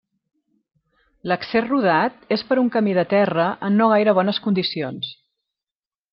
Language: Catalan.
L'accés rodat és per un camí de terra en no gaire bones condicions.